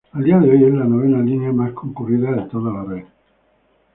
A día de hoy es la novena línea más concurrida de toda la red.